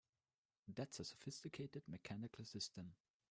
That's a sophisticated mechanical system!